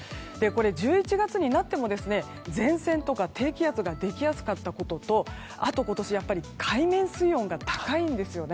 １１月になっても前線とか低気圧ができやすかったことと今年、海面水温が高いんですね。